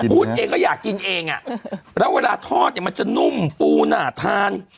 พูดเองก็อยากกินเองแล้วเวลาทอดเนี่ยมันจะนุ่มฟูน่าทาน